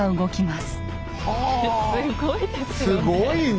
すごいね。